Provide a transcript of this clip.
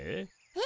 え？